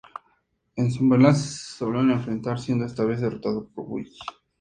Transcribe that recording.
En "SummerSlam" se volvieron a enfrentar, siendo esta vez derrotado por Wyatt.